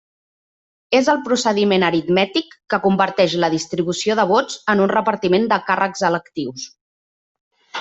És el procediment aritmètic que converteix la distribució de vots en un repartiment de càrrecs electius.